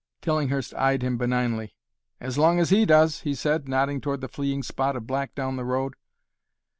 Tillinghurst eyed him benignly. "As long as he does," he said, nodding toward the fleeing spot of black down the road.